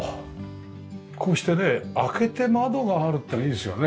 こうしてね開けて窓があるっていいですよね。